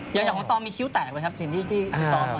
อย่างของตอนมีคิ้วแตกไว้ครับที่ที่ที่ซ้อม